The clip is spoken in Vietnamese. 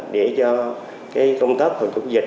để cho cái công tác phòng chống dịch